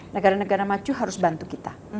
negara negara maju harus bantu kita